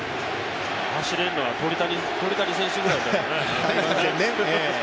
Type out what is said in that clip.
走れるのは鳥谷選手ぐらいだよね。